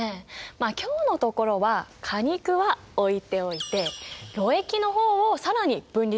まあ今日のところは果肉は置いておいてろ液の方を更に分離できないかな？